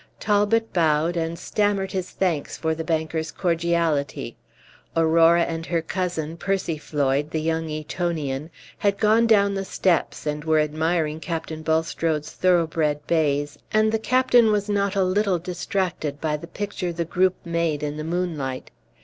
Talbot bowed, and stammered his thanks for the banker's cordiality. Aurora and her cousin, Percy Floyd, the young Etonian, had gone down the steps, and were admiring Captain Bulstrode's thorough bred bays, and the captain was not a little distracted by the picture the group made in the moonlight.